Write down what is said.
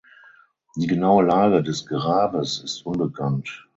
Die genaue Lage des Grabes ist unbekannt.